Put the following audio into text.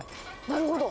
なるほど。